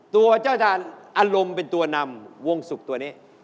ตัวเจ้าจานอารมณ์เป็นตัวนำวงศุกร์ตัวนี้